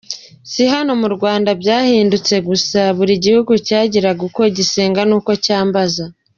Si hano mu Rwanda byahindutse gusa, buri gihugu cyagiraga uko gisenga n’uko cyambaza.